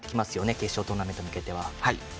決勝トーナメントに向けては。